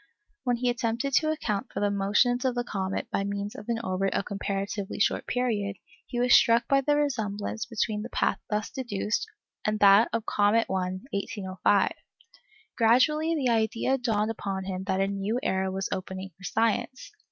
When he attempted to account for the motions of the comet by means of an orbit of comparatively short period, he was struck by the resemblance between the path thus deduced and that of Comet I, 1805. Gradually the idea dawned upon him that a new era was opening for science.